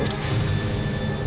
mereka itu yang naman sekali